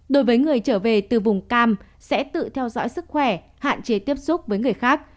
đối với người trở về từ vùng cam sẽ tự theo dõi sức khỏe hạn chế tiếp xúc với người khác